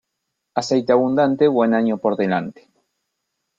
Aceite abundante, buen año por delante.